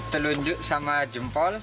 terlunjuk sama jempol